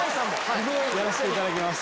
やらせていただきます。